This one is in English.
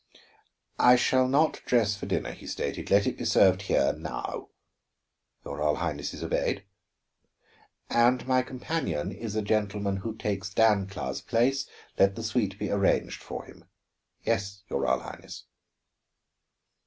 "I shall not dress for dinner," he stated. "Let it be served here, now." "Your Royal Highness is obeyed." "And my companion is a gentleman who takes Dancla's place; let the suite be arranged for him." "Yes, your Royal Highness."